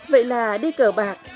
vậy là đi cờ bạc